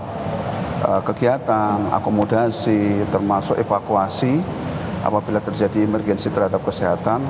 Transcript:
jadi kita sudah melakukan kegiatan akomodasi termasuk evakuasi apabila terjadi emergensi terhadap kesehatan